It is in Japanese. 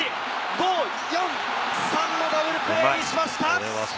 ５・４・３のダブルプレーにしました。